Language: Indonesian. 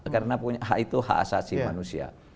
karena itu hak asasi manusia